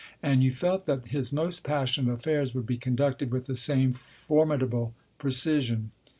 And you felt that his most passionate affairs would be conducted with the same formidable precision.